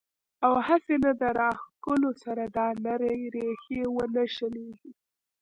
او هسې نه د راښکلو سره دا نرۍ ريښې ونۀ شليږي